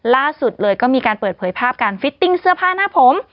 ล่าสุดเลยก็มีการเปิดเผยภาพการฟิตติ้งเสื้อผ้าหน้าผม